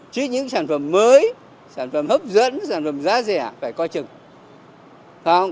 chứ những sản phẩm mới sản phẩm hấp dẫn sản phẩm giá rẻ phải coi chừng